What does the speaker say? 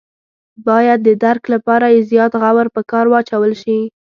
باید د درک لپاره یې زیات غور په کار واچول شي.